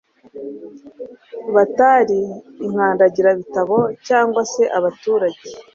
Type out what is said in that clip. batari inkandagirabitabo cyangwa se abaturage